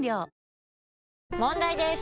問題です！